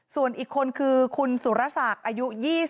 ส่วนอีกคนคือคุณสุรศักดิ์อายุ๒๐